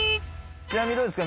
ちなみにどうですか？